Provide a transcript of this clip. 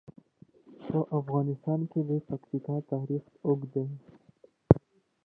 په افغانستان کې د پکتیا تاریخ اوږد دی.